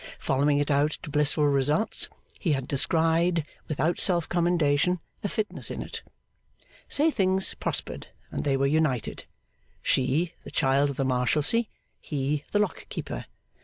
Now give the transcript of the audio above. Following it out to blissful results, he had descried, without self commendation, a fitness in it. Say things prospered, and they were united. She, the child of the Marshalsea; he, the lock keeper.